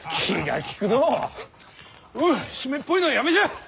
おう湿っぽいのはやめじゃ！